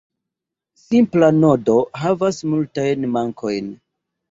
Simpla nodo havas multajn mankojn.